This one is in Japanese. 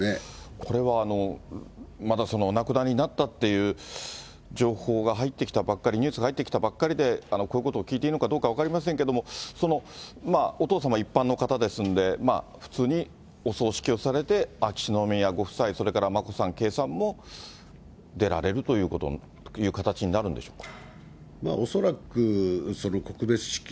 これはまだお亡くなりになったっていう情報が入ってきたばっかり、ニュースが入ってきたばっかりで、こういうことを聞いていいのかどうか分かりませんけれども、お父様、一般の方ですので、普通にお葬式をされて、秋篠宮ご夫妻、それから眞子さん、圭さんも出られるという形になるんでしょうか。